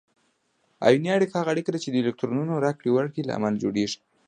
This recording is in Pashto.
آیوني اړیکه هغه اړیکه ده چې د الکترونونو راکړې ورکړې له امله جوړیږي.